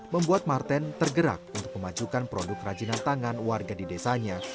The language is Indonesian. membuat marten tergerak untuk memajukan produk kerajinan tangan warga di desanya